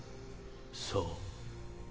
そう